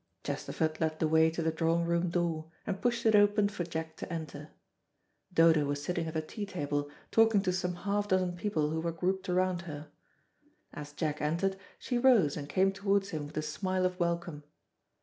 Chesterford led the way to the drawing room door, and pushed it open for Jack to enter. Dodo was sitting at the tea table, talking to some half dozen people who were grouped round her. As Jack entered, she rose and came towards him with a smile of welcome.